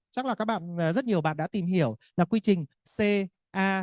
chắc là rất nhiều bạn đã tìm hiểu là quy trình ca